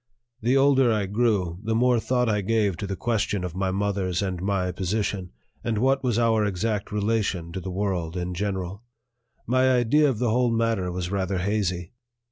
The older I grew, the more thought I gave to the question of my mother's and my position, and what was our exact relation to the world in general. My idea of the whole matter was rather hazy.